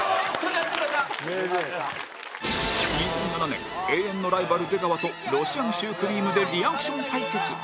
２００７年永遠のライバル出川とロシアンシュークリームでリアクション対決